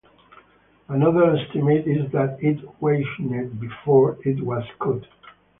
Another estimate is that it weighed before it was cut.